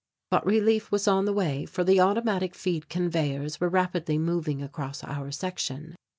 But relief was on the way for the automatic feed conveyors were rapidly moving across our section.